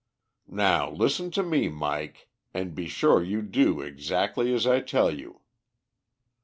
"Now listen to me, Mike, and be sure you do exactly as I tell you.